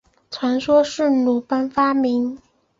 传说是鲁班发明。